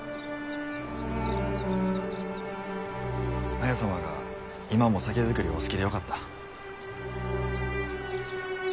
綾様が今も酒造りをお好きでよかった。